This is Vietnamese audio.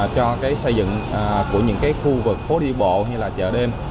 cho cái xây dựng của những cái khu vực phố đi bộ hay là chợ đêm